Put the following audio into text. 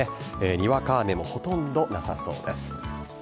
にわか雨もほとんどなさそうです。